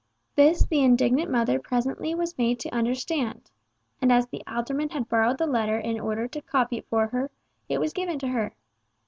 This the indignant mother presently was made to understand—and as the alderman had borrowed the letter in order to copy it for her, it was given to her.